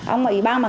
ông ủy ban mà